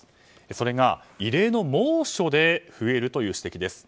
それは、異例の猛暑で増えるという指摘です。